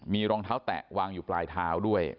มีรองเท้าแตะวางอยู่ปลายเท้าด้วย